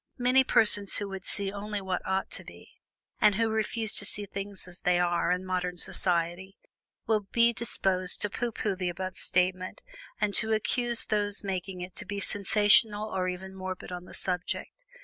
Many persons who would see only what "ought to be," and who refuse to see "things as they are" in modern society, will be disposed to pooh pooh the above statement, and to accuse those making it to be sensational or even morbid on the subject.